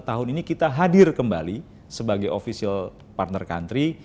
tahun ini kita hadir kembali sebagai official partner country